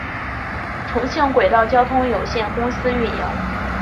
重庆轨道交通有限公司运营。